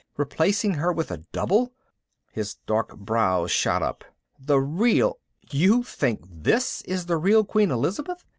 replacing her with a double " His dark brows shot up. "The real You think this is the real Queen Elizabeth?"